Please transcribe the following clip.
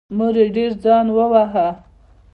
مور یې ډېر ځان وواهه.